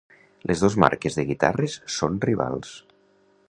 Les dos marques de guitarres són rivals.